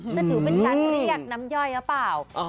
จะถือเป็นการเรียกน้ำย่อยหรือเปล่า